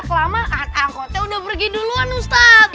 kelamaan angkotnya udah pergi duluan ustadz